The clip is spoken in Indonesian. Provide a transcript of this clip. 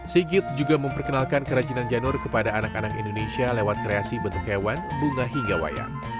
sigit juga memperkenalkan kerajinan janur kepada anak anak indonesia lewat kreasi bentuk hewan bunga hingga wayang